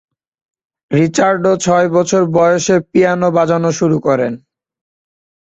Richard ছয় বছর বয়সে পিয়ানো বাজানো শুরু করেন।